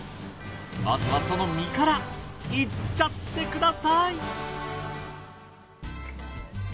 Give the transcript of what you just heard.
まずはその身からいっちゃってください！